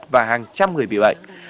và hàng trăm người bị bệnh